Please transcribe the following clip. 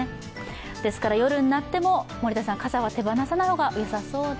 ですから夜になっても傘は手放さない方がよさそうです。